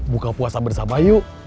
buka puasa bersama yuk